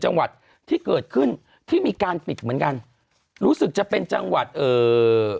จังหวัดที่เกิดขึ้นที่มีการปิดเหมือนกันรู้สึกจะเป็นจังหวัดเอ่อ